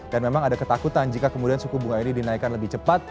dan memang ada ketakutan jika kemudian suku bunga ini dinaikkan lebih cepat